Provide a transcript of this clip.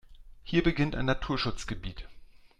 Hier beginnt ein Naturschutzgebiet.